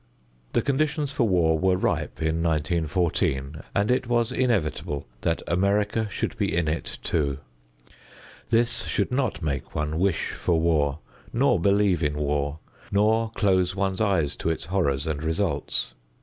The conditions for war were ripe in 1914, and it was inevitable that America should be in it too. This should not make one wish for war nor believe in war nor close one's eyes to its horrors and results.